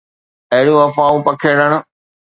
اهڙيون افواهون پکيڙڻ